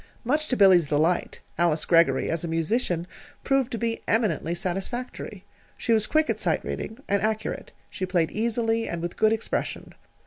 Much to Billy's delight, Alice Greggory, as a musician, proved to be eminently satisfactory. She was quick at sight reading, and accurate. She played easily, and with good expression.